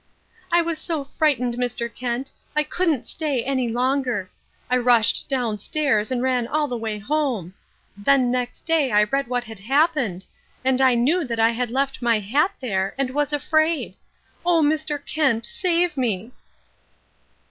"I was so frightened, Mr. Kent, I couldn't stay any longer. I rushed downstairs and ran all the way home. Then next day I read what had happened, and I knew that I had left my hat there, and was afraid. Oh, Mr. Kent, save me!"